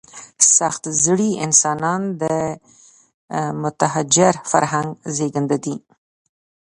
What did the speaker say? سخت زړي انسانان د متحجر فرهنګ زېږنده دي.